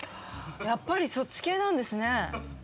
やっぱりそっち系なんですね。